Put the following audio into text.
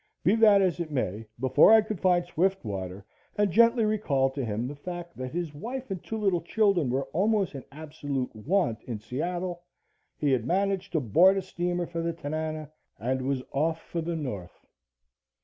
Be that as it may, before I could find Swiftwater and gently recall to him the fact that his wife and two little children were almost in absolute want in Seattle he had managed to board a steamer for the Tanana and was off for the North.